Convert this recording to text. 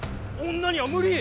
女には無理！